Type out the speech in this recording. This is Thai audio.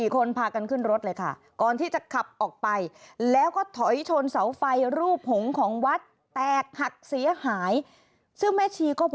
๔คนพากันขึ้นรถเลยค่ะก่อนที่จะขับออกไป